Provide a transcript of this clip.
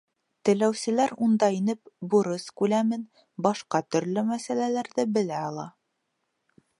Теләүселәр унда инеп, бурыс күләмен, башҡа төрлө мәсьәләләрҙе белә ала.